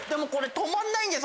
止まんないです。